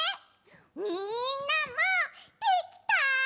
みんなもできた？